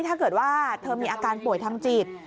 ถ้าเกิดว่าเธอมีอาการป่วยทางจิต